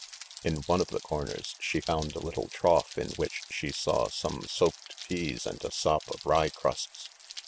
In one of the corners she found a little trough in which she saw some soaked peas and a sop of rye crusts.